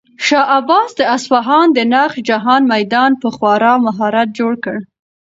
شاه عباس د اصفهان د نقش جهان میدان په خورا مهارت جوړ کړ.